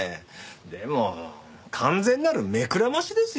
でも完全なる目くらましですよ。